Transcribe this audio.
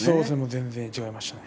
全然違いました。